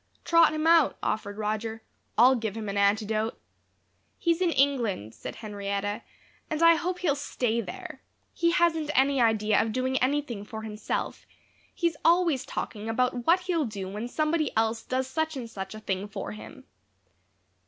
"Trot him out," offered Roger. "I'll give him an antidote." "He's in England," said Henrietta, "and I hope he'll stay there. He hasn't any idea of doing anything for himself; he's always talking about what he'll do when somebody else does such and such a thing for him."